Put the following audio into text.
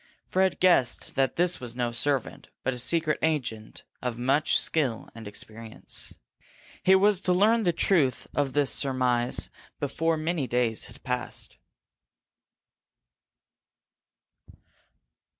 Fred guessed that this was no servant, but a secret agent of much skill and experience. He was to learn the truth of his surmise before many days had passed.